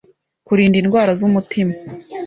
Kurinda indwara z’umutima